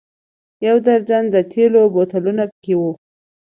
یو درجن د تېلو بوتلونه په کې و.